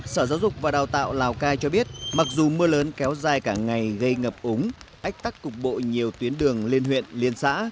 sở giáo dục và đào tạo lào cai cho biết mặc dù mưa lớn kéo dài cả ngày gây ngập úng ách tắc cục bộ nhiều tuyến đường lên huyện liên xã